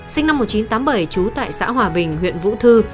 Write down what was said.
sinh năm một nghìn chín trăm tám mươi bảy trú tại xã hòa bình huyện vũ thư